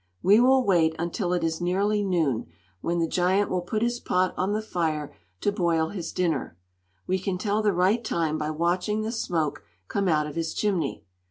"We will wait until it is nearly noon, when the giant will put his pot on the fire to boil his dinner. We can tell the right time by watching the smoke come out of his chimney.